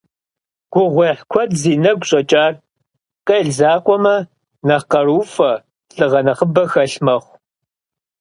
Гугъуехь куэд зи нэгу щӀэкӀар, къел закъуэмэ, нэхъ къарууфӀэ, лӀыгъэ нэхъыбэ хэлъ мэхъу.